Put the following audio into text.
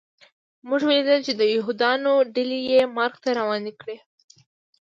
موږ ولیدل چې د یهودانو ډلې یې مرګ ته روانې کړې